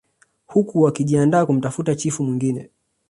Huku wakijiandaa kumtafuta chifu mwingine